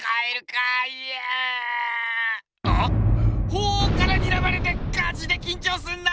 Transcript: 鳳凰から睨まれてガチできんちょうすんな！